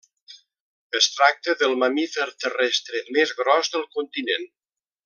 Es tracta del mamífer terrestre més gros del continent.